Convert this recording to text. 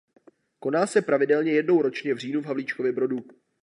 Koná se pravidelně jednou ročně v říjnu v Havlíčkově Brodu.